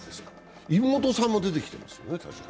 妹さんも出てきてますね、たしか。